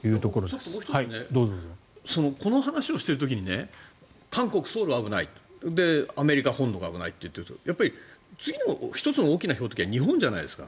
もう１つこの話をしている時に韓国ソウルが危ないアメリカ本土が危ないと言ってる時にやっぱり次の１つの大きな標的は日本じゃないですか。